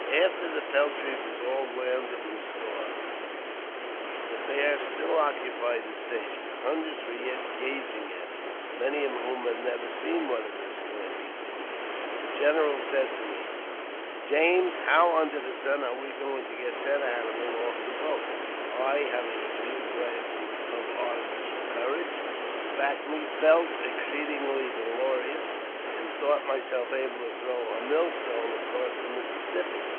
After the peltry was all landed and stored, the bear still occupied his station. Hundreds were yet gazing at him, many of whom had never seen one of the kind before. The general said to me, " James, how, under the sun, are we to get that animal off the boat? " I, having a few glasses of *' artificial courage" to back me, felt exceedingly valorous, and thought myself able to throw a mill stone across the Mississippi.